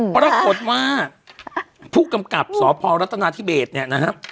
ปรากฏว่าผู้กำกับสพรัฐนาธิเบสเนี่ยนะฮะ